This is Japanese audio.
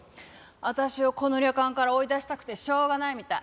私をこの旅館から追い出したくてしょうがないみたい。